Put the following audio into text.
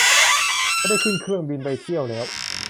จะได้ขึ้นเครื่องบินไปเที่ยวแล้ว